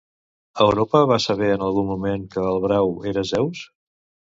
Europa va saber en algun moment que el brau era Zeus?